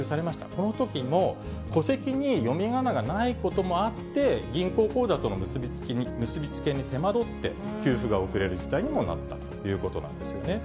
このときも戸籍に読みがながないこともあって、銀行口座との結び付けに手間取って、給付が遅れる事態にもなったということなんですね。